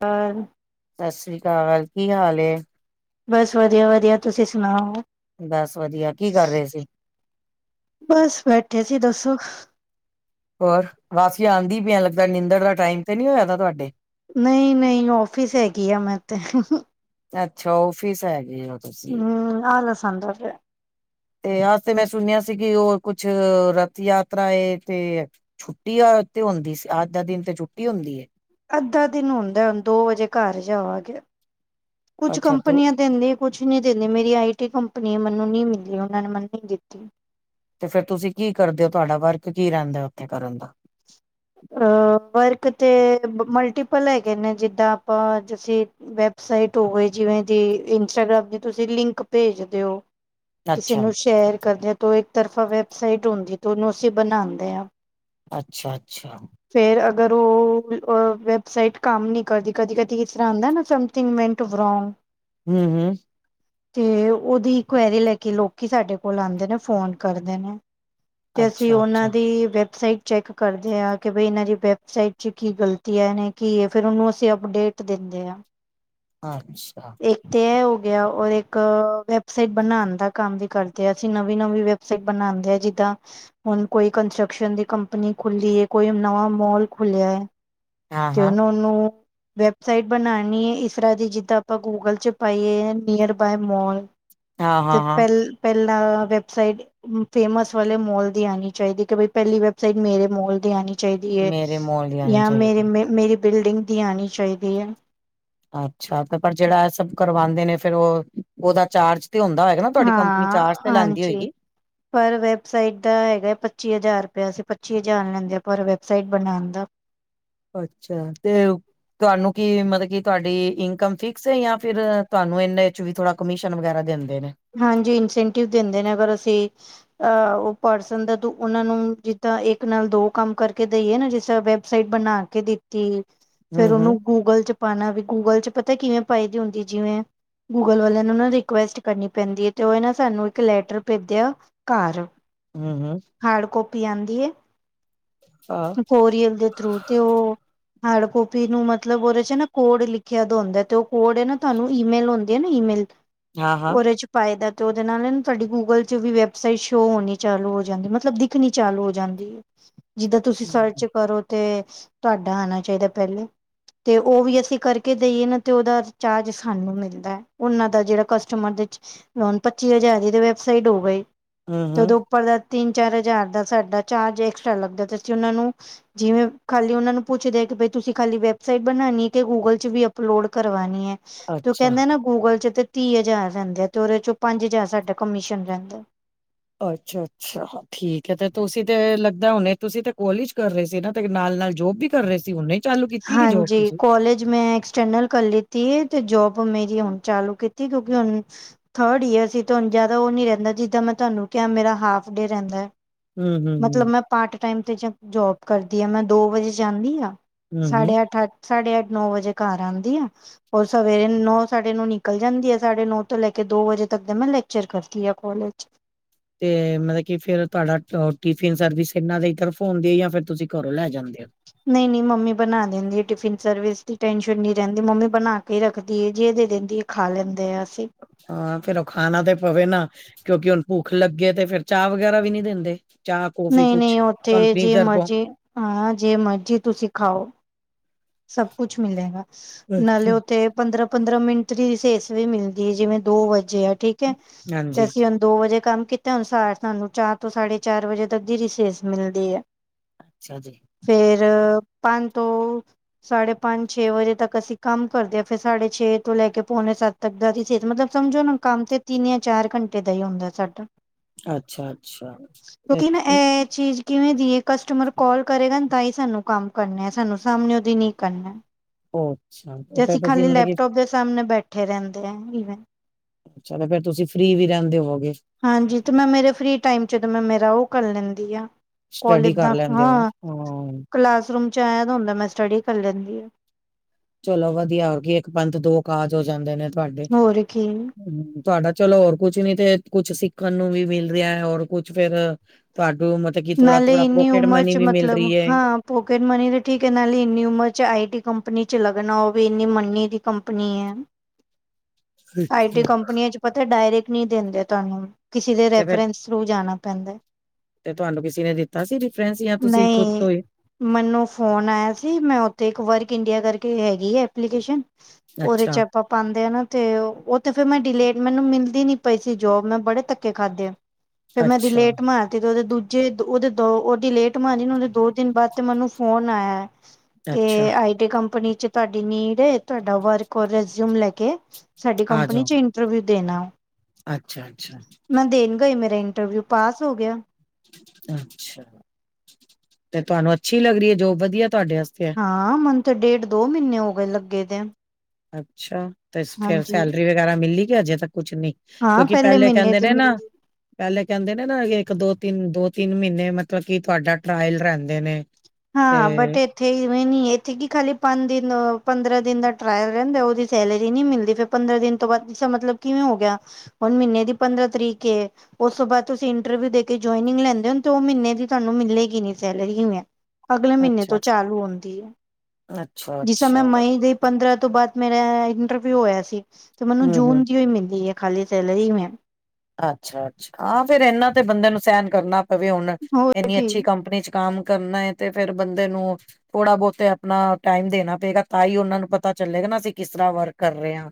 ਪਰ ਸਸ੍ਰੀ ਕਾਲ, ਕੀ ਹਾਲ ਏ? ਬਸ ਵਦੀਆ-ਵਦੀਆ, ਤੂਸੀ ਸੁਨਾਓ? ਬਾੱਸ ਵਦੀਆ, ਕੀ ਕਾਰ ਰੇ ਸੀ? ਬਾੱਸ ਬੈਠੇ ਸੀ, ਦੱਸੋ? ਹੋਰ, ਵਾਸੀਆਂ ਆਂਦੀ ਪੀ ਐਂ, ਲੱਗਦਾ ਨਿੰਦੱਰ ਦਾ ਟਾਈਮ ਤੇ ਨੀ ਹੇਗਾ ਤੁਆਡੇ? ਨਈ-ਨਈ ਔਫਿਸ ਹੈਗੀ ਆਂ ਮੈਂ ਤੇ [unintelligible] ਅੱਛਾ, ਔਫਿਸ ਹੈਗੇ ਓ। ਹੂੰ, ਆਲਸ ਆਂਦਾ ਪੈਐ। ਤੇ ਆੱਜ ਤੇ ਮੈਂ ਸੁਨੇਆ ਸੀ, ਕਿ ਓ ਕੁੱਛ ਰਥ ਯਾਤਰਾ ਏ ਤੇ ਛੁੱਟੀ ਐ ਤੇ ਹੁੰਦੀ ਸ, ਆੱਜ ਦਾ ਦਿਨ ਤੇ ਛੁੱਟੀ ਹੋਂਦੀ ਏ। ਅੱਦਾ ਦਿਨ ਹੁੰਦੈ, ਹੁਨ ਦੋ ਵਜੇ ਘਾਰ ਜਾਂਵਾਗੇ, ਕੁੱਛ ਅੱਛਾ ਤੋ ਕੰਪਨੀਆਂ ਦੈਂਦੀ ਕੁੱਛ ਨੀ ਦੇਂਦੇ, ਮੇਰੀ ਆਈ ਟੀ ਕੰਪਨੀ ਏ, ਮੈਨੂੰ ਨੀ ਮਿਲੀ, ਓਨਾਂ ਨੇ ਮੈਨ ਨੀ ਦਿੱਤੀ। ਤੇ ਫਿਰ ਤੂਸੀ ਕੀ ਕਰਦੇ ਓ, ਤੂਆਡਾ ਵਰਕ ਕੀ ਰੈਂਦੈ ਉਥੇ ਕਰਨ ਦਾ? ਅ ਵਰਕ ਤੇ ਮਲਟੀਪਲ ਹੈਗੇ ਨੇ, ਜਿੱਦਾਂ ਆਪਾਂ, ਅੱਜ ਅਸੀ ਵੈਬਸਾਈਟ ਹੋ ਗਈ ਜਿਵੇਂ ਦੀ, ਇੰਸਟਾਗ੍ਰਾਮ ਦੀ ਤੂਸੀ ਲਿੰਕ ਭੇਜਦੇ ਓ ਕਿਸੇ ਅੱਛਾ ਨੂੰ ਸ਼ੇਅਰ ਕਰਦੇ ਓ ਤੋ ਇੱਕ ਤਰਫਾ ਵੈਬਸਾਈਟ ਹੁੰਦੀ ਏ, ਤੇ ਓਨੂੰ ਅਸੀ ਬਨਾਂਦੇ ਆਂ। ਅੱਛਾ-ਅੱਛਾ। ਫੇਰ ਅਗਰ ਓ, ਅ ਵੈਬਸਾਈਟ ਕਾੰਮ ਨੀ ਕਰਦੀ, ਕਦੀ-ਕਦੀ ਇਸ ਤਰਾਂ ਹੁੰਦੈ ਨਾ, ਸਮ ਥਿੰਗ ਮੈਂਨ ਟੂ ਵਰੌਗ ਹੂੰ-ਹੂੰ। [inaudible] ਤੇ ਉਹਦੀ ਇਕੁਆਇਰੀ ਲੈ ਕੇ ਲੋਕੀ ਸਾਡੇ ਕੋਲ ਆਉਂਦੇ ਨੇ ਫੋਨ ਕਰਦੇ ਨੇ। ਤੇ ਅਸੀਂ ਅੱਛਾ ਉਨਨਾਂ ਅੱਛਾ ਦੀ ਵੈਬਸਾਈਟ ਚੈੱਕ ਕਰ ਦੇ ਆ ਕਿ ਬਈ ਇਹਨਾਂ ਦੀ ਵੈਬਸਾਈਟ ਚ ਕੀ ਗ਼ਲਤੀ ਹੈ ਇਹਨੇ ਕੀ ਹੈ ਫਿਰ ਉਹਨੂੰ ਅਸੀਂ ਅਪਡੇਟ ਦਿੰਦੇ ਆ। [inaudible] ਅੱਛਾ। ਇੱਕ ਤੇ ਏ ਹੋ ਗਿਆ ਔਰ ਇੱਕ ਵੈਬਸਾਈਟ ਬਣਾਣ ਦਾ ਕੰਮ ਵੀ ਕਰਦੇ ਹਾਂ, ਅਸੀਂ ਨਵੀਂ-ਨਵੀਂ ਵੈ ਸਾਇਡ ਬਣਾਂਦੇ ਆ ਜਿੱਦਾਂ ਹੁਣ ਕੋਈ ਕੰਸਟਰਕਸ਼ਨ ਦੀ ਕੰਪਨੀ ਖੁੱਲੀਏ ਕੋਈ ਨਵਾਂ ਮੌਲ ਖੁੱਲਿਆ ਹੈ ਹਾਂ ਤੇ ਹਾਂ ਉਨ- ਨੂੰ ਵੈਬਸਾਈਟ ਬਣਾਣੀ ਹੈ ਇਸ ਤਰ੍ਹਾਂ ਦੀ ਜਿੱਦਾਂ ਆਪਾਂ ਗੂਗਲ ਚ ਪਾਈਏ ਨੀਅਰ ਬਾਏ ਮੌਲ। ਹਾਂ ਤੇ ਹਾਂ ਹਾਂ ਪਹਿਲ ਪਹਿਲਾ ਵੈਬਸਾਈਟ ਫੇਮਸ ਵਾਲੇ ਮੋਲ ਦੀ ਆਣੀ ਚਾਹੀਦੀ ਕਿ ਬਈ ਪਹਿਲੀ ਵੈਬਸਾਈਟ ਮੇਰੇ ਮੋਲ ਦੀ ਆਣੀ ਚਾਹੀਦੀ ਹੈ, ਮੇਰੇ ਮੋਲ ਦੀ ਆਣੀ ਜਾਂ ਮੇਰੇ ਚਾਹੀਦੀ ਮ ਮੇਰੀ ਬਿਲਡਿੰਗ ਦੀ ਆਣੀ ਚਾਹਿਦੀ ਏ। ਅੱਛਾ, ਤੇ ਪਰ ਜੇਹੜਾ ਏ ਸਬ ਕਰਵਾਉਂਦੇ ਨੇ ਫਿਰ ਉਹ ਉਦਾ ਚਾਰਜ ਤੇ ਹੁੰਦਾ ਓਏਗਾ ਨਾ ਤੁਹਾਡੀ ਕੰਪਨੀ ਹਾਂ ਚਾਰਜ ਤੇ ਲੈਂਦੀ ਹਾਂਜੀ ਹੋਏਗੀ। ਪਰ ਵੈਬਸਾਈਟ ਦਾ ਹੈਗਾ ਪੱਚੀ ਹਜ਼ਾਰ ਰੁਪਇਆ, ਅਸੀਂ ਪੱਚੀ ਹਜ਼ਾਰ ਲੈਂਦੇ ਹਾਂ ਪਰ ਵੈਬਸਾਈਟ ਬਣਾਣ ਦਾ। ਅੱਛਾ, ਤੇ ਓ ਤੁਹਾਨੂੰ ਕੀ ਮਤਲਬ ਕੀ ਤੁਹਾਡੀ ਇਨਕਮ ਫਿਕਸ ਹੈ, ਜਾਂ ਫਿਰ ਤੁਹਾਨੂੰ ਇਹਨਾਂ ਚ ਵੀ ਥੋੜਾ ਕਮਿਸ਼ਨ ਵਗੈਰਾ ਦਿੰਦੇ ਨੇ? ਹਾਂਜੀ, ਇਨਸੈਂਟਿਵ ਦਿੰਦੇ ਨੇ ਅਗਰ ਅਸੀਂ ਅਹ ਉਹ ਪਰਸਨ ਦਾ ਤ ਉਹਨਾਂ ਨੂੰ ਜਿੱਦਾਂ ਇੱਕ ਨਾਲ ਦੋ ਕੰਮ ਕਰਕੇ ਦੇਈਏ ਨਾ ਜਿਸ ਤਰ੍ਹਾਂ ਸਾਈਟ ਬਣਾ ਕੇ ਦਿੱਤੀ ਹੂੰ ਫੇਰ ਉਨੂੰ ਹੂੰ ਗੂਗਲ ਚ ਪਾਣਾ ਵੀ ਗੂਗਲ ਚ ਪਤਾ ਕਿਵੇਂ ਪਾਈ ਹੁੰਦੀ ਜਿਵੇਂ ਗੂਗਲ ਵਾਲਿਆਂ ਨਾ ਰਿਕੁਐਸਟ ਕਰਨੀ ਪੈਂਦੀ ਐ, ਤੇ ਉਹ ਏਨਾ ਸਾਨੂੰ ਇੱਕ ਲੈਟਰ ਭੇਜ ਇਆ, ਘਰ। ਹੂੰ-ਹੂੰ। ਹਾਡ ਕੱਪੀ ਆਉਂਦੀ ਹੈ, ਹਾਂ। ਕੋਰੀਅਲ ਦੇ ਥਰੂ ਤੇ ਉਹ ਹਾਰਡ ਕੋਪੀ ਨੂੰ ਮਤਲਬ ਉਹਦੇ ਨਾ ਕੋਡ ਲਿਖਿਆ ਹੁੰਦਾ ਤੇ, ਉਹ ਕੋਡ ਨਾ ਤੁਹਾਨੂੰ ਈਮੇਲ ਹੁੰਦੀ ਹੈ ਨਾ ਈਮੇਲ ਹਾਂ ਹਾਂ ਉਹਦੇ 'ਚ ਪਾਈਦਾ ਤੇ ਉਹਦੇ ਨਾਲ ਤੁਹਾਡੀ ਗੂਗਲ 'ਚ ਵੀ ਵੈਬਸਾਈਟ ਸ਼ੋਅ ਹੋਣੀ ਚਾਲੂ ਹੋ ਜਾਂਦੀ ਐ, ਮਤਲਬ ਦਿਖਣੀ ਚਾਲੂ ਹੋ ਜਾਂਦੀ ਐ। ਜਿੱਦਾਂ ਤੁਸੀਂ ਸਰਚ ਕਰੋ ਤੇ, ਤੁਹਾਡਾ ਆਣਾ ਚਾਹੀਦਾ ਪਹਿਲੇ। ਤੇ ਉਹ ਵੀ ਅਸੀਂ ਕਰਕੇ ਦੇਈਏ ਨਾ, ਤੇ ਉਹਦਾ ਚਾਰਜ ਸਾਨੂੰ ਮਿਲਦਾ, ਉਨਨਾਂ ਦਾ ਜਿਹੜਾ ਕਸ ਟਮਰ ਲੋਨ, ਪੱਚੀ ਹਜ਼ਾਰ ਦੀ ਤੇ ਵੈਬਸਾਈਟ ਹੋ ਗਈ ਹੂੰ ਤੇ ਹੂੰ ਉਦੋਂ ਉੱਪਰ ਦਾ ਤਿੰਨ-ਚਾਰ ਹਜ਼ਾਰ ਦਾ ਸਾਡਾ ਚਾਰਜ ਐਕਸਟਰਾ ਲੱਗਦਾ ਤੇ, ਅਸੀਂ ਉਹਨਾਂ ਨੂੰ ਜਿਵੇਂ ਖਾਲੀ ਉਹਨਾ ਨੂੰ ਪੁੱਛਦੇ ਕਿ, ਤੁਸੀਂ ਖਾਲੀ ਵੈਬਸਾਈਟ ਬਣਾਣੀ ਕਿ, ਗੂਗਲ ਚ ਵੀ ਅਪਲੋਡ ਕਰਵਾਣੀ ਹੈ। ਤੇ ਅੱਛਾ। ਕਹਿੰਦੇ ਨਾ ਗੂਗਲ ਚ ਤੇ ਤੀਹ ਹਜ਼ਾਰ ਰਹਿੰਦੇ ਆ ਉਹਦੇ ਚੋਂ ਪੰਜ ਹਜ਼ਾਰ ਸਾਡਾ ਰਹਿੰਦਾ। ਅੱਛਾ-ਅੱਛਾ ਠੀਕ ਹੈ, ਤੇ ਤੁਸੀਂ ਤੇ ਲੱਗਦਾ ਹੁਣੇ ਤੁਸੀਂ ਤੇ ਕੌਲਜ ਕਰ ਰਹੇ ਸੀ ਨਾ, ਤੇ ਨਾਲ-ਨਾਲ ਜੋਬ ਵੀ ਕਰ ਰਹੇ ਸੀ ਹੁਣੇ। ਚਾਲੂ ਕੀਤੀ ਕਿ ਜੋਬ ਹਾਂਜੀ ਤੁਸੀਂ। ਕੌਲਜ ਮੈਂ, ਐਕਸਟਰਨਲ ਕਰ ਲਿੱਤੀ ਐ ਤੇ ਜੋਬ ਮੇਰੀ ਹੁਣ ਚਾਲੂ ਕੀਤੀ, ਕਿਉਂਕਿ ਹੁਣ ਥਰਡ ਈਅਰ ਸੀ, ਤੁਹਾਨੂੰ ਜ਼ਿਆਦਾ ਉਹ ਨੀ ਰਹਿੰਦਾ, ਜਿੱਦਾਂ ਮੈਂ ਤੁਹਾਨੂੰ ਕਿਹਾ ਮੇਰਾ ਹਾਫ ਡੇ ਰਹਿੰਦਾ ਹੈ। ਹੂੰ ਹੂੰ ਹੂੰ ਮਤਲਬ ਮੈਂ ਪਾਰਟ ਟਾਈਮ ਤੇ ਜੋਬ ਕਰਦੀ ਆ, ਮੈਂ ਦੋ ਵਜੇ ਜਾਨੀ ਆ ਹੂੰ ਹੂੰ। ਸਾਢੇ ਅੱਠ-ਅੱਠ ਸਾਢੇ-ਅੱਠ- ਨੌ ਵਜੇ ਘਰ ਆਂਦੀ ਆ। ਉ ਸਵੇਰੇ ਨੌ-ਸਾਢੇ ਨੌ ਨਿਕਲ ਜਾਂਦੀ ਹੈ, ਸਾਢੇ ਨੌ ਤੋਂ ਲੈ ਕੇ ਦੋ ਵਜੇ ਤੱਕ ਦਾ ਮੈਂ ਲੈਕਚਰ ਕਰਦੀ ਆ ਕੌਲਜ 'ਚ। ਤੇ ਮਤਲਬ ਕੀ ਫੇਰ ਤੁਹਾਡਾ ਟਿਫਿਨ ਸਰਵਿਸ ਇਨਾਂ ਦੇ ਤਰਫੋ ਹੁੰਦੀ ਏ ਯਾ ਫਿਰ ਤੁਸੀਂ ਕਰੋਂ ਲੈ ਜਾਂਦੇ ਔ? ਨਈ-ਨਈ ਮੰਮੀ ਬਣਾ ਦੇ ਦਿੰਦੀ ਟਿਫਿਨ ਸਰਵਿਸ ਦੀ ਟੈਨਸ਼ਨ ਨੀ ਰੇਂਦੀ ਮੰਮੀ ਬਣਾ ਕੇ ਰੱਖਦੀ ਐ ਜੇ ਦੇ ਦਿੰਦੀ ਖਾ ਲੈਂਦੇ ਆ ਅਸੀਂ। ਹਾਂ ਫੇਰ ਉਹ ਖਾਣਾ ਤੇ ਪਵੇ ਨਾ, ਕਿਉਂਕਿ ਹੁਣ ਭੁੱਖ ਲੱਗੇ ਤੇ ਫੇਰ ਚਾ ਵਗੈਰਾ ਵੀ ਨੀ ਦਿੰਦੇ? ਚਾਹ ਕੌਫੀ ਕੁਛ ਨਈ-ਨਈ ਉੱਥੇ ਕੰਪਨੀ ਜੇ ਤਰਫੋਂ ਮਰਜੀ ਹਾਂ ਜੇ ਮਰਜ਼ੀ ਤੁਸੀਂ ਖਾਓ। ਸਭ ਕੁਛ ਮਿਲੇਗਾ, ਨਾਲੇ ਉੱਥੇ ਪੰਦਰਾਂ-ਪੰਦਰਾਂ ਮਿੰਟ ਦੀ ਰੀਸੇਸ ਵੀ ਮਿਲਦੀ ਐ, ਜਿਵੇਂ ਦੋ ਵੱਜੇ ਐ ਠੀਕ ਐ ਤੇ ਹਾਂਜੀ ਅਸੀਂ ਹੁਣ ਦੋ ਵਜੇ ਕੰਮ ਕੀਤਾ ਅਨੁਸਾਰ ਸਾਨੂੰ ਚਾਰ ਤੋਂ ਸਾਢੇ ਚਾਰ ਵਜੇ ਤੱਕ ਦੀ ਰੀਸੇਸ ਮਿਲਦੀ ਐ। ਅੱਛਾ ਜੀ। ਫੇਰ ਪੰਜ ਤੋਂ ਸਾਢੇ ਪੰਜ ਛੇ ਵਜੇ ਤੱਕ ਅਸੀਂ ਕੰਮ ਕਰਦੇ ਆ, ਫੇਰ ਸਾਢੇ ਛੇ ਤੋਂ ਲੈ ਕੇ ਪਉਣੇ ਸੱਤ ਤਕ ਦਾ ਰਿਸੇਸ ਮਤਲਬ ਸਮਝੋ ਨਾ ਕੰਮ ਤੇ ਤਿੰਨ ਯਾ ਚਾਰ ਘੰਟੇ ਦਾ ਈ ਹੁੰਦਾ ਸਾਡਾ। ਅੱਛਾ ਅੱਛਾ ਤੇ ਕੋਕੀ ਨਾ ਤੁਸੀਂ ਐ ਚੀਜ਼ ਕਿਵੇਂ ਦੀ ਐ ਕਸਟਮਰ ਕੋਲ ਕਰੇਗਾ ਤਾਂ ਹੀ ਸਾਨੂੰ ਕੰਮ ਕਰਨਾ, ਸਾਨੂੰ ਸਾਮਣੇ ਓ ਦੀ ਨੀ ਕਰਨਾ। ਹੋ ਤੇ ਅਸੀਂ ਖਾਲੀ ਲੈਪਟੋਪ ਦੇ ਸਾਮਣੇ ਬੈਠੇ ਰੇਂਦੇ ਆ ਈਵੇ। ਅੱਛਾ, ਫੇਰ ਤੁਸੀਂ ਫ੍ਰੀ ਵੀ ਰੇਂਦੇ ਹੋਵਗੇ। ਹਾਂਜੀ, ਤੇ ਮੈਂ ਮੇਰੇ ਫ੍ਰੀ ਟਾਈਮ ਚ ਤੇ ਮੈਂ ਮੇਰਾ ਓ ਕਰ ਲੈਂਦੀ ਆ। ਸਟੱਡੀ ਕੌਲਜ ਕਰ ਦਾ ਲੈਂਦੇ ਹੋ ਹਾਂ ਹਾਂ ਕਲਾਸਰੂਮ ਚ ਆਯਾ ਦਾ ਹੁੰਦਾ ਮੈਂ ਸਟੱਡੀ ਕਰ ਲੈਂਦੀ ਆ। ਚਲੋ ਵਧੀਆ ਹੋਗੀ ਏਕ ਪੰਥ ਦੋ ਕਾਜ ਹੋ ਜਾਂਦੇ ਨੇ ਤੁਹਾਡੇ। ਹੋਰ ਕੀ ਤੁਹਾਡਾ ਚਲੋ ਹੋਰ ਕੁਛ ਨੀ ਤੇ ਕੁਛ ਸਿੱਖਣ ਨੂੰ ਵੀ ਮਿਲ ਰਿਆ ਹੋਰ ਕੁਛ ਫੇਰ ਤੁਹਾਡੀ ਓਮਰ ਨਾਲੇ ਇੰਨੀ ਉਮਰ ਚ ਮਤਲਬ ਏ। ਹਾਂ। ਪੋਕਿਟ ਮਨੀ ਤੇ ਠੀਕ ਐ ਨਾਲ ਇੰਨੀ ਉਮਰ ਆਈਟੀ ਕੰਪਨੀ ਚ ਲੱਗਣਾ ਓ ਵੀ ਇੰਨੀ ਮੰਨੀ ਦੀ ਕੰਪਨੀ ਐ। [inaudible] ਅੱਛਾ। ਆਈਟੀ ਕੰਪਨੀਆਂ ਚ ਪਤਾ ਡਾਇਰੈਕਟ ਨੀ ਦਿੰਦੇ ਤੁਹਾਨੂੰ ਕਿਸੇ ਦੇ ਤੇ ਫੇਰ ਰੈਫਰੈਂਸ ਰੋਜ ਜਾਣਾ ਪੈਂਦਾ। ਤੇ ਤੁਹਾਨੂੰ ਕਿਸੇ ਨੇ ਦਿੱਤਾ ਸੀ ਰਿਫਰੈਂਸ ਯਾ ਤੁਸੀਂ ਖੁਦ ਨਹੀਂ ਤੋਂ ਈ ਮੈਨੂੰ ਫੋਨ ਆਇਆ ਸੀ, ਮੈਂ ਉੱਥੇ ਇੱਕ ਵਰਕ ਇੰਡੀਆ ਕਰਕੇ ਹੈਗੀ ਐ ਐਪਲੀਕੇਸ਼ਨ ਉਦੇ ਚ ਅੱਛਾ, ਆਪਾਂ ਪਾਂਦੇ ਆ ਨਾ ਤੇ ਓ ਤੇ ਫਿਰ ਮੈਂ ਡਿਲੇਟ ਮੈਨੂੰ ਮਿਲਦੀ ਨੀ ਪਈ ਸੀ ਜੋਬ ਮੈਂ ਬੜੇ ਧੱਕੇ ਖਾਧੇ ਆ। ਫਿਰ ਮੈ ਅੱਛਾ। ਡਲੇਟ ਮਾਰਤੀ ਉਹਦੇ ਦੂਜੇ ਉਹਦੇ ਦੋ ਉਹਦੀਲੇਟ ਮਾਰੀ ਨਾ ਉਦੇ ਦੋ ਦਿਨ ਬਾਦ ਤੇ ਮੈਨੂੰ ਫੋਨ ਆਇਆ ਤੇ ਅੱਛਾ, ਆਈ ਤੇ ਕੰਪਨੀ ਚ ਤੁਹਾਡੀ ਨੀਡ ਐ ਤੁਹਾਡਾ ਵਰਕ ਔਰ ਰਿਊਜਮ ਲੈ ਕੇ ਸਾਡੀ ਆ ਕੰਪਨੀ ਜਾਓ ਚ ਇੰ ਟਰਵਿਊ ਦੇਣ ਆਔ। ਅੱਛਾ-ਅੱਛਾ, ਅੱਛਾ। ਮੈਂ ਦੇਣ ਗਈ ਮੇਰਾ ਇੰਟਰਵਿਊ ਪਾਸ ਹੋ ਗਿਆ। ਅੱਛਾ ਤੇ ਤੁਹਾਨੂੰ ਅੱਛੀ ਲੱਗ ਰੀ ਏ ਜੋਬ ਵਧੀਆ ਤੁਹਾਡੇ ਆਸ ਹਾਂ ਮੈਨ ਤੇ ਡੇਢ, ਦੋ ਮਹੀਨੇ ਹੋ ਗਏ ਲਗੇ ਦੇ। ਅੱਛਾ ਤੇ ਫੇਰ ਹਾਂਜੀ ਸੈਲਰੀ ਵਗੈਰਾ ਮਿਲੀ ਕਿ ਅਜੇ ਤੱਕ ਕੁਛ ਨੀ। ਹਾਂ ਕਿਉਂਕਿ ਪਹਿਲੇ ਪੈਲੇ ਮਹੀਨੇ ਕੇਂਦੇ ਦੀ ਨੇ ਨਾ ਮਿਲਦੀ ਪੈਲੇ ਕਹਿੰਦੇ ਨੇ ਨਾ ਇੱਕ, ਦੋ, ਤਿੰਨ, ਦੋ, ਤਿੰਨ ਮਈਨੇ ਮਤਲਬ ਕੀ ਤੁਹਾਡਾ ਟਰਾਇਲ ਰੇਂਦੇ ਨੇ। ਹਾਂ ਤੇ ਬਟ ਇੱਥੇ ਐਵੇ ਨੀ ਏ ਇੱਥੇ ਕਿ ਖਾਲੀ ਪੰਜ ਦਿਨ, ਪੰਦਰਾਂ ਦਿਨ ਦਾ ਟਰਾਇਲ ਰੇਂਦਾ ਉਦੀ ਸੈਲਰੀ ਨੀ ਮਿਲਦੀ ਫਿਰ ਪੰਦਰਾਂ ਦਿਨ ਤੋਂ ਬਾਦ ਇਸ ਮਤਲਬ ਕਿਵੇ ਹੋ ਗਿਆ ਹੁਣ ਮੀਨੇ ਦੀ ਪੰਦਰਾਂ ਤਰੀਕ ਏ ਉਸ ਤੋਂ ਬਾਦ ਤੁਸੀਂ ਇੰਟਰਵਿਊ ਦੇ ਕੇ ਜੁਆਇਨਿੰਗ ਲੈਂਦੇ ਹੋ ਤੇ ਉਹ ਮੀਨੇ ਦੀ ਤੁਹਾਨੂੰ ਮਿਲੇਗੀ ਨੀ ਸੈਲਰੀ [unintelligible] ਅਗਲੇ ਮਹੀਨੇ ਤੋਂ ਅੱਛਾ-ਅੱਛਾ, ਚਾਲੂ ਹੁੰਦੀ ਹੈ। ਜਿਸ ਸਮੇ ਅੱਛਾ-ਅੱਛਾ, ਮਈ ਦੇ ਪੰਦਰਾਂ ਤੋਂ ਬਾਅਦ ਮੇਰਾ ਇੰਟਰਵਿਊ ਹੋਇਆ ਸੀ ਮੈਨੂੰ ਹੂੰ-ਹੂੰ, ਜੂਨ ਦੀਓ ਮਿਲੀ ਐ। ਖਾਲੀ ਤਿਲ ਵੀ ਨੇ। ਅੱਛਾ- ਅੱਛਾ ਹਾਂ ਫਿਰ ਇਹਨਾਂ ਤੇ ਬੰਦੇ ਨੂੰ ਸਹਿਣ ਕਰਨਾ ਪਵੇ ਹੁਣ ਹੋਰ ਇੰਨੀ ਕੀ ਅੱਛੀ ਕੰਪਨੀ ਚ ਕੰਮ ਕਰਨਾ ਹੈ ਤੇ ਫੇਰ ਬੰਦੇ ਨੂੰ ਥੋੜਾ ਬਹੁਤ ਆਪਣਾ ਟਾਈਮ ਦੇਣਾ ਪਏਗਾ ਤਾਂ ਹੀ ਉਹਨਾ ਨੂੰ ਪਤਾ ਚੱਲੇਗਾ ਨਾ ਅਸੀਂ ਕਿਸ ਤਰ੍ਹਾਂ ਵਰਕ ਕਰ ਰਹੇ ਹਾਂ।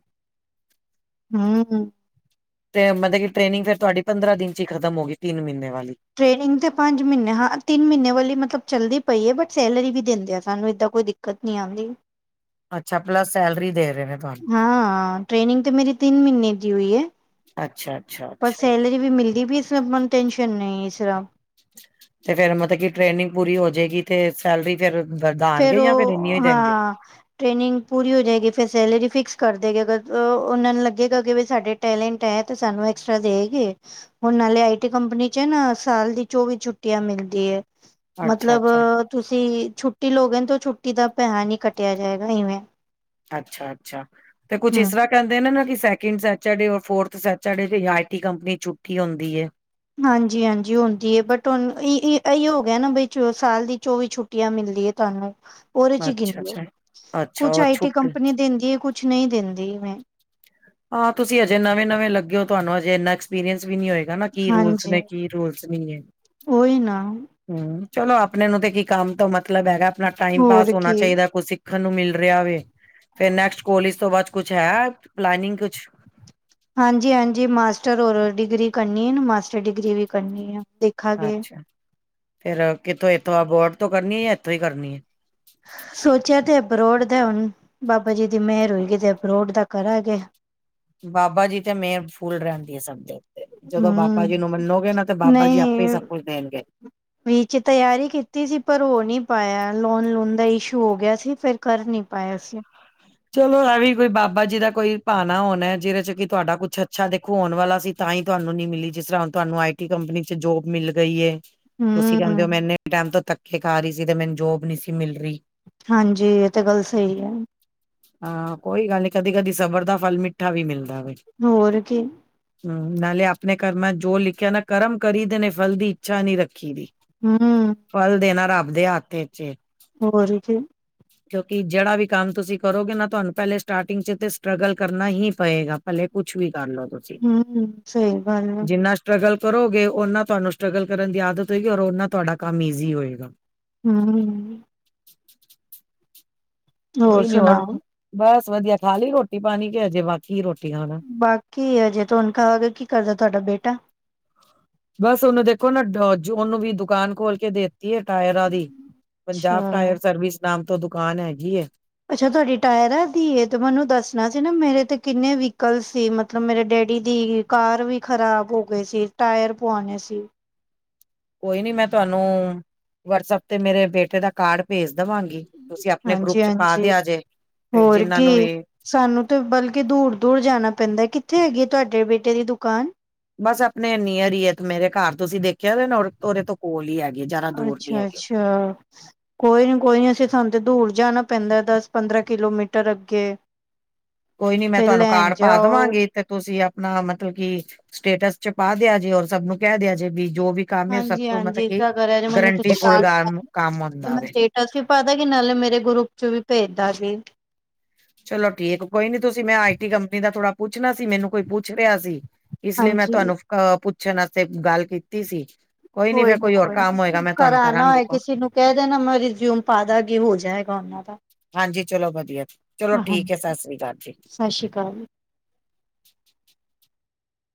ਹੂੰ ਹੁ ਤੇ ਮਤਲਬ ਕਿ ਟ੍ਰੇਨਿੰਗ ਫਿਰ ਤੁਹਾਡੀ ਪੰਦਰਾਂ ਦਿਨ ਚ ਹੀ ਖਤਮ ਹੋ ਗਈ ਤਿੰਨ ਮਹੀਨੇ ਵਾਲੀ ਟ੍ਰੇਨਿੰਗ ਤੇ ਪੰਜ ਮਹੀਨੇ ਹਾਂ ਤਿੰਨ ਮਹੀਨੇ ਵਾਲੀ ਮਤਲਬ ਚੱਲਦੀ ਪਈ ਏ ਬਟ ਸੈਲਰੀ ਵੀ ਦਿੰਦੇ ਆ ਸਾਨੂੰ ਇੱਦਾਂ ਕੋਈ ਦਿਕ ਦਿੱਕਤ ਨੀ ਆਂਦੀ। ਅੱਛਾ ਪਲੱਸ ਸੈਲਰੀ ਦੇ ਰਹੇ ਨੇ ਤੁਹਾਨੂੰ ਹਾਂ ਟ੍ਰੇਨਿੰਗ ਤੇ ਮੇਰੀ ਤਿੰਨ ਮਹੀਨੇ ਦੀ ਹੋਈ ਏ। ਅੱਛਾ- ਅੱਛਾ, ਅੱਛਾ ਜਿਵੇਂ ਮਿਲਦੀ ਪਈ ਸ ਆਪਾਂ ਨੂੰ ਟੈਨਸ਼ਨ ਨਹੀਂ ਇਸ ਤਰ੍ਹਾਂ ਤੇ ਫੇਰ ਮਤਲਬ ਕੀ ਟ੍ਰੇਨਿੰਗ ਪੂਰੀ ਹੋ ਜੇ ਗੀ ਤੇ ਸੈਲਰੀ ਫੇਰ ਫੇਰ ਵਧਾਣਗੇ ਜਾਂ ਉਹ ਇੰਨੀ ਹੀ ਦੇਣਗੇ। ਹਾਂ ਟ੍ਰੇਨਿੰਗ ਪੂਰੀ ਹੋ ਜੇ ਗੀ ਫਿਰ ਸੈਲਰੀ ਫਿਕਸ ਕਰ ਦੇਗੇ ਅਗਰ ਉਹਨਾਂ ਨੂੰ ਲੱਗੇਗਾ ਅ ਕਿ ਵੀ ਸਾਡੇ ਟੈਲੈਂਟ ਹੈ ਤੇ ਸਾਨੂੰ ਐਕਸਟਰਾ ਦੇ ਗੇ। [unintelligible] ਹੁਣ ਨਾਲੇ ਆਈ ਟੀ ਕੰਪਨੀ ਚ ਨਾ ਸਾਲ ਦੀ ਚੌਂਵੀ ਛੁੱਟੀਆਂ ਮਿਲਦੀ ਐ। ਮਤਲਬ ਅੱਛਾ-ਅੱਛਾ, ਤੁਸੀਂ ਛੁੱਟੀ ਲਾਉਗੇ ਤਾਂ ਛੁੱਟੀ ਦਾ ਪੇਹਾ ਨਹੀ ਕੱਟਿਆ ਜਾਏਗਾ ਇਵੇਂ ਅੱਛਾ -ਅੱਛਾ ਤੇ ਕੁੱਛ ਇਸ ਹਮ ਤਰ੍ਹਾਂ ਕਹਿੰਦ ਇਨਾਂ ਨੂੰ ਕਿ ਸੈਕਿੰਡ ਸੈਚਡੇ ਔਰ ਫੋਰਥ ਸੈਚਡੇ ਤੇ ਆਈ ਟੀ ਕੰਪਨੀ ਚ ਛੁੱਟੀ ਹੁੰਦੀ ਐ। ਹਾਂਜੀ- ਹਾਂਜੀ ਹੁੰਦੀ ਹੈ ਬਟ ਹੁਣ ਈ ਇ ਐਈਓ ਹੋ ਗਿਆ ਨਾ ਬਈ ਸਾਲ ਦੀ ਚੌਵੀ ਛੁੱਟੀ ਛੁੱਟੀਆਂ ਮਿਲਦੀਆਂ ਤੁਹਾਨੂੰ ਉਹਦੇ ਚ ਹੀ ਗਿਣ ਲੋ ਅੱਛਾ-ਅੱਛਾ, ਅੱਛਾ ਅੱਛਾ ਕੁਛ ਉਹ ਆਈ ਟੀ ਛੁੱਟ ਕੰਪਨੀ ਦਿੰਦੀ ਆ ਕੁਛ ਕੁਛ ਨਹੀਂ ਦਿੰਦੀ ਇਵੈ ਹਾਂ ਤੁਸੀਂ ਹਜੇ ਨਵੇਂ -ਨਵੇਂ ਲੱਗੇ ਹੋ ਤੁਹਾਨੂੰ ਹਜੇ ਇੰਨਾ ਐਕਸਪਰੀਅੰਸ ਵੀ ਨਹੀਂ ਹੋਏਗਾ ਹਨਾ ਕੀ ਰੂਲਸ ਹਾਂਜੀ ਨੇ ਕੀ ਰੂਲਸ ਨਹੀਂ ਏ। ਉਹੀ ਨਾ ਹੂ ਚਲੋ ਆਪਣੇ ਨੂੰ ਤੇ ਕੀ ਕੰਮ ਤੋਂ ਮਤਲਬ ਹੈਗਾ ਆਪਣਾ ਟਾਈਮ ਹੋਰ ਪਾਸ ਹੋਣਾ ਕੀ ਚਾਹੀਦਾ ਕੁਛ ਮੈਂਨੂੰ ਮਿਲ ਰਿਹਾ ਵੇ ਫੇਰ ਨੈਸਟ ਕੋਲੇਜ ਤੋਂ ਬਾਅਦ ਕੁਛ ਹੈ ਪਲੈਨਿੰਗ ਕੁਛ ਹਾਂਜੀ -ਹਾਂਜੀ ਮਾਸਟਰ ਹੋਰ ਡਿਗਰੀ ਕਰਨੀ ਆ ਨਾ ਮਾਸਟਰ ਡਿਗਰੀ ਵੀ ਕਰਨੀ ਆ ਅੱਛਾ ਫਿਰ ਕਿੱਥੋਂ ਇੱਥੋਂ ਆ ਅਬੋਹਰ ਤੋਂ ਕਰਨੀ ਹੈ ਜਾਂ ਇੱਥੋਂ ਹੀ ਕਰਨੀ ਐ। ਸੋਚਿਆ ਤੇ ਅਬਰੋਡ ਦਾ ਹੁਣ ਬਾਬਾ ਜੀ ਦੀ ਮੇਹਰ ਹੋਏਗੀ ਤੇ ਅਬਰੋਡ ਦਾ ਕਰਾਂਗੇ ਬਾਬਾ ਜੀ ਤੇ ਮੇਹਰ ਫੁੱਲ ਰਹਿੰਦੀ ਹੈ, ਸਭ ਤੇ ਜਦੋਂ ਬਾਬਾ ਹੂੰ ਜੀ ਨੂੰ ਮੰਨੋਗੇ ਨਾ ਤੇ ਬਾਬਾ ਜੀ ਆਪੇ ਹੀ ਨਹੀਂ ਸਭ ਕੁਛ ਦੇਣਗੇ। ਵਿੱਚ ਤਿਆਰੀ ਕੀਤੀ ਸੀ, ਪਰ ਹੋ ਨਹੀਂ ਪਾਇਆ ਲੋਨ ਲੂਨ ਦਾ ਇਸ਼ੂ ਹੋ ਗਿਆ ਸੀ, ਫਿਰ ਕਰ ਨੀ ਪਾਇਆ ਅ ਐਸੇ। ਚਲੋ ਇਹ ਵੀ ਕੋਈ ਬਾਬਾ ਜੀ ਦਾ ਕੋਈ ਭਾਣਾ ਹੋਣਾ ਜਿਹਦੇ ਚ ਕਿ ਤੁਹਾਡਾ ਕੁਛ ਅੱਛਾ ਦੇਖੋ ਆਉਣ ਵਾਲਾ ਸੀ। ਤਾਂ ਹੀ ਉਹਨੂੰ ਨੀ ਮਿਲੀ ਜਿਸ ਤਰ੍ਹਾਂ ਤੁਹਾਨੂੰ ਆਈ ਟੀ ਕੰਪਨੀ ਚ ਜੋਬ ਮਿਲ ਗਈ ਏ, ਤੁਸੀਂ ਕਹਿੰਦੇ ਹੂੰ, ਹੋ ਮੈਂ ਇੰਨੇ ਟੈਮ ਤੋਂ ਧੱਕੇ ਖਾ ਰਹੀ ਸੀ, ਤੇ ਮੈਨੂੰ ਜੋਬ ਨੀ ਸੀ ਮਿਲ ਰਹੀ। ਹਾਂਜੀ, ਇਹ ਤਾਂ ਗੱਲ ਸਹੀ ਹੈ। ਹਾਂ, ਕੋਈ ਗੱਲ ਨੀ ਕਦੀ ਕਦੀ ਸਬਰ ਦਾ ਫਲ ਮਿੱਠਾ ਵੀ ਮਿਲਦਾ ਵਵੇ। ਹੋਰ ਕੀ ਹਮ ਨਾਲੇ ਆਪਣੇ ਕਰਮਾਂ ਜੋ ਲਿਖਿਆ ਨਾ ਕਰਮ ਕਰੀ ਦੇ ਨੇ ਫਲ ਦੀ ਇੱਛਾ ਨਹੀਂ ਰੱਖੀ ਦੀ। ਹੂੰ। ਫਲ ਦੇਣਾ ਰੱਬ ਦੇ ਹੱਥ ਵਿੱਚ ਏ। ਹੋਰ ਕੀ। ਕਿਉਂਕਿ ਜਿਹੜਾ ਵੀ ਕੰਮ ਤੁਸੀਂ ਕਰੋਗੇ ਨਾ, ਤੁਹਾਨੂੰ ਪਹਿਲੇ ਸਟਾਰਟਿੰਗ ਚ ਤੇ ਸਟਰਗਲ ਕਰਨਾ ਹੀ ਪਏਗਾ। ਭਲੇ ਕੁੱਛ ਵੀ ਕਰ ਲੋ ਤੁਸੀਂ ਹੰ ਹੰ ਸਹੀ ਗੱਲ ਐ। ਜਿੰਨਾ ਸਟਰਗਲ ਕਰੋਗੇ, ਉਹਨਾਂ ਤੁਹਾਨੂੰ ਸਟਰਗਲ ਕਰਨ ਦੀ ਆਦਤ ਹੋਏਗੀ। ਔਰ ਉਹਨਾਂ ਤੁਹਾਡਾ ਕੰਮ ਈਜ਼ੀ ਹੋਏਗਾ। ਹੰ ਕੋਈ ਨੀ ਹੋਰ ਬਸ ਵਦੀਆ ਖਾ ਲਈ ਰੋਟੀ ਪਾਨੀ ਕੇ ਹਜੇ ਬਾਕੀ ਰੋਟੀ ਖਾਨਾ। ਬਾਕੀ ਏ ਆਜੇ ਤੁਹਾਨੂੰ ਕਹਾ ਕੀ ਕਰਦਾ ਤੁਹਾਡਾ ਬੇਟਾ। ਬਸ ਉਹਨੂੰ ਦੇਖੋ ਨਾ ਦਾ ਢ ਜੋ ਉਹਨੂੰ ਵੀ ਦੁਕਾਨ ਖੋਲ ਕੇ ਦੇ ਹੈ, ਟਾਇਰਾਂ ਦੀ ਪੰਜਾਬ ਅੱਛਾ, ਟਾਇਰ ਸਰਵਿਸ ਨਾਮ ਤੋਂ ਦੁਕਾਨ ਹੈਗੀ ਐ। ਅੱਛਾ ਤੁਹਾਡੀ ਟਾਇਰਾਂ ਦੀਏ ਤੇ ਮੈਨੂੰ ਦੱਸਣਾ ਸੀ ਨਾ ਮੇਰੇ ਤੇ ਕਿੰਨੇ ਵੀਹੀਕਲ ਸੀ ਮਤਲਬ ਮੇਰੇ ਡੈਡੀ ਦੀ ਕਾਰ ਵੀ ਖ਼ਰਾਬ ਹੋਗੀ ਸੀ, ਟਾਇਰ ਪੁਆਣੇ ਸੀ। ਕੋਈ ਨੀ ਮੈਂ ਤੁਹਾਨੂੰ ਵਟਸਐਪ ਤੇ ਮੇਰੇ ਬੇਟੇ ਦਾ ਕਾਰਡ ਭੇਜ ਦੇਵਾਂਗੀ, ਤੁਸੀਂ ਆਪਨੇ ਗਰੁੱਪ ਚ ਪਾ ਹਾਂਜੀ-ਹਾਂਜੀ, ਦਿਆ ਜੇ ਤੇ ਹੋਰ ਜਿਹਨਾਂ ਨੂੰ ਕੀ। ਵੀ ਸਾਨੂੰ ਤਾਂ ਬਲਕਿ ਦੂਰ -ਦੂਰ ਜਾਨਾ ਪੈਂਦਾ, ਕਿੱਥੇ ਹੈਗੀ ਏ ਤੁਹਾਡੇ ਬੇਟੇ ਦੀ ਦੁਕਾਨ ਬਸ ਆਪਨੇ ਨੀਅਰ ਈ ਐ ਇੱਕ ਮੇਰੇ ਘਰ ਤੁਸੀਂ ਦੇਖਿਆ ਵੇ ਨਾ ਉਹਦੇ ਤੋਂ ਕੋਲ ਹੀ ਹੈਗੀ ਜ਼ਿਆਦਾ ਦੂਰ ਨੀ ਹੈਗੀ ਐ। [unintelligible] ਕੋਈ ਨੀ ਕੋਈ ਨ ਅਸੀਂ ਸਾਨੂੰ ਤੇ ਦੂਰ ਜਾਨਾ ਪੈਂਦਾ ਏ ਦਸ ਪੰਦਰਾਂ ਕਿਲੋਮੀਟਰ ਅੱਗੇ। [inaudible] ਕੋਈ ਨੀ ਮੈਂ ਫਿਰ ਤੁਹਾਨੂੰ ਲੈਣ ਕਾਰਡ ਪਾ ਜਾਓ ਦੇਵਾਗੀ ਤੇ ਤੁਸੀਂ ਆ। ਅਪਨਾ ਮਤਲਬ ਕੀ ਸਟੇਟਸ ਚ ਪਾ ਦਿਆ ਜੇ ਔਰ ਸਭ ਨੂੰ ਕਹਿ ਦਿਆ ਜੇ ਵੀ ਜੋ ਵੀ ਕੰਮ ਸਭ ਹਾਂਜੀ ਤੋਂ ਹਾਂਜੀ ਮਤਲਬ ਕਿ ਏਦਾਂ ਕਰਿਆ ਜੇ ਮੈਨੂੰ ਗਰੰਟੀ ਫੁੱਲ ਗਮ ਕੰਮ ਹੁੰਦਾ ਵੇ ਅਸੀਂ ਪਾਦਾੰਗੇ ਨਾਲੇ ਮੇਰੇ ਗਰੁੱਪ 'ਚ ਵੀ ਭੇਜ ਦਾੰਗੇ। ਚਲੋ ਠੀਕ ਕੋਈ ਨੀ ਤੁਸੀਂ ਮੈਂ ਆਈ ਟੀ ਕੰਪਨੀ ਦਾ ਥੋੜਾ ਪੁੱਛਣਾ ਸੀ ਮੈਨੂੰ ਕੋਈ ਪੁੱਛ ਰਿਹਾ ਸੀ। ਇਸ ਲਈ ਮੈਂ ਹਾਂਜੀ ਤੁਹਾਨੂੰ ਅਹ ਪੁੱਛਣ ਆਸਤੇ ਗੱਲ ਕੀਤੀ ਸੀ। ਕੋਈ ਫੇਰ ਨੀ ਹੋਰ ਕੋਈ ਕੰਮ ਹੋਏਗਾ ਨੀ, ਮੈਂ ਤੁਹਾਨੂੰ ਕਰਾ ਨਾ ਕਰਾਂਗੀ ਹੋਏ ਫੋਨ ਕਿਸੇ ਨੂੰ ਕਹਿ ਦੇਨਾ ਮੈਂ ਰਿਜ਼ਿਊਮ ਪਾ ਦਾਗੀ ਹੋ ਜਾਏਗਾ ਉਹਨਾਂ ਦਾ। ਹਾਂਜੀ ਚਲੋ ਵਦੀਆ ਚਲੋ ਠੀਕ ਐ, ਸਸਰੀ ਅਕਾਲ ਜੀ। ਸਸ਼ਰੀ ਅਕਾਲ